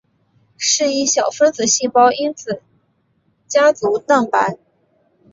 是一小分子细胞因子家族蛋白。